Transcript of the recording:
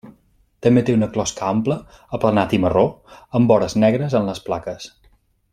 També té una closca ampla, aplanat i marró, amb vores negres en les plaques.